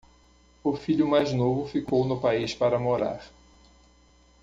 O filho mais novo ficou no país para morar